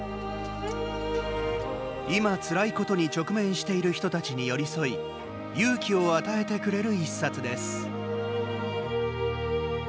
今、つらいことに直面している人たちに寄り添い勇気を与えてくれる１冊です。